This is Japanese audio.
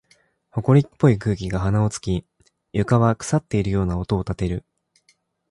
埃っぽい空気が鼻を突き、床は腐っているような音を立てる。